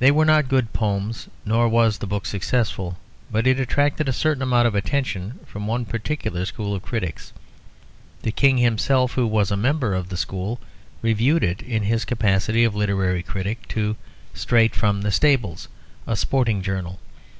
They were not good poems, nor was the book successful, but it attracted a certain amount of attention from one particular school of critics. The King himself, who was a member of the school, reviewed it in his capacity of literary critic to "Straight from the Stables," a sporting journal.